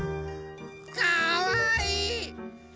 かわいい！